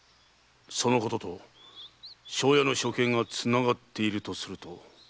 そのことと庄屋の処刑がつながっているとすると。